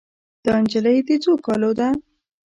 دا نجلۍ د څو کالو ده